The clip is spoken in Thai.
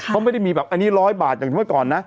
เขาไม่ได้มีแบบอันนี้ร้อยบาทอย่างที่เมื่อก่อนนะ